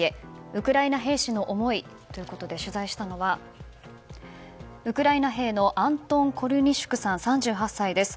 ウクライナ兵士の思いということで取材したのが、ウクライナ兵のアントン・コルニシュクさん３８歳です。